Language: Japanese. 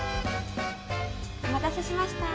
おまたせしました！